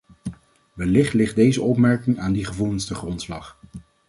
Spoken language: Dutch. Wellicht ligt deze opmerking aan die gevoelens ten grondslag.